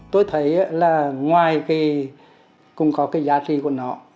tôi thấy là ngoài cái cũng có cái giá trị của nó